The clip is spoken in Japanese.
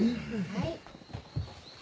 はい。